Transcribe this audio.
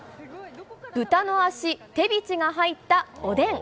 豚の足、テビチが入ったおでん。